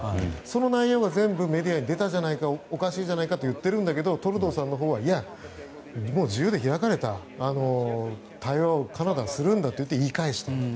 その内容が全部メディアに出たじゃないかおかしいじゃないかと言っているんだけどトルドーさんはいや、自由で開かれた対話をカナダはするんだと言い返したと。